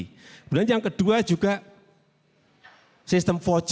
kemudian yang kedua juga sistem empat g